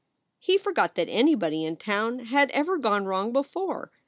He forgot that anybody in town had ever gone wrong before.